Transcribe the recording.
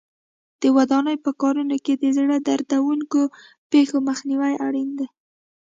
د ودانۍ په کارونو کې د زړه دردوونکو پېښو مخنیوی اړین دی.